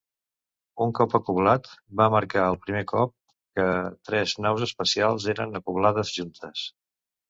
Un cop acoblat, va marcar el primer cop que tres naus espacials eren acoblades juntes.